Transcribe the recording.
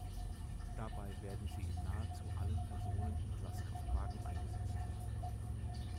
Dabei werden sie in nahezu allen Personen- und Lastkraftwagen eingesetzt.